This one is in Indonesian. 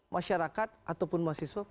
masyarakat ataupun mahasiswa